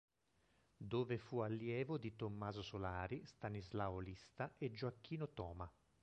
Dove fu allievo di Tommaso Solari, Stanislao Lista e Gioacchino Toma.